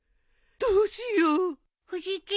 どうしよう藤木。